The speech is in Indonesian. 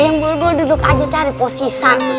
nah ayang bulbul duduk aja cari posisan